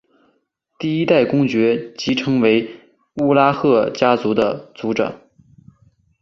第一代公爵即成为乌拉赫家族的族长。